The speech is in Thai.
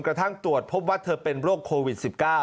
กระทั่งตรวจพบว่าเธอเป็นโรคโควิด๑๙